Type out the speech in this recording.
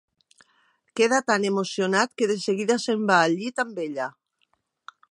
Queda tan emocionat que de seguida se'n va al llit amb ella.